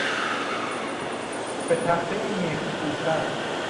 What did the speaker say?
به تختهای میخ کوفتن